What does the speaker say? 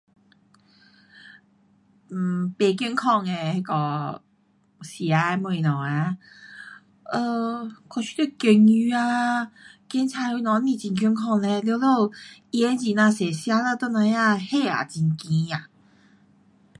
嗯，不健康的那个吃的东西啊，呃，我觉得咸鱼啊，咸菜什么不很健康嘞，全部盐很呀多，吃了等下血液很高啊。